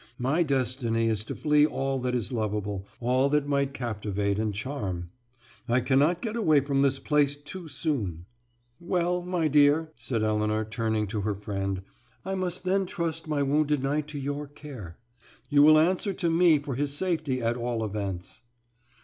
My destiny is to flee all that is lovable, all that might captivate and charm. I cannot get away from this place too soon " "Well, my dear," said Elinor, turning to her friend, "I must then trust my wounded knight to your care. You will answer to me for his safety, at all events."